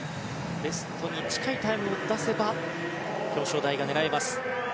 ベストに近いタイムを出せば、表彰台が狙えます。